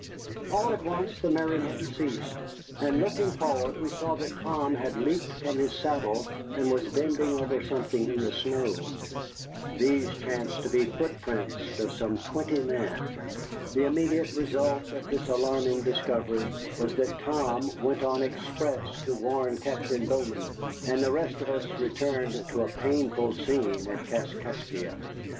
All at once the merriment ceased, and looking forward we saw that Tom had leaped from his saddle and was bending over something in the snow. These chanced to be the footprints of some twenty men. The immediate result of this alarming discovery was that Tom went on express to warn Captain Bowman, and the rest of us returned to a painful scene at Kaskaskia.